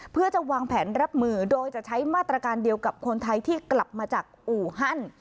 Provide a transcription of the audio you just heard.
เพื่อจะวางแผนรับมือโดยจะใช้มาตรการเดียวกับคนไทยที่กลับมาจากอู่ฮัน